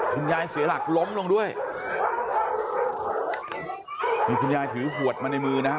คุณยายเสียหลักล้มลงด้วยมีคุณยายถือหัวละมาในมือนะครับ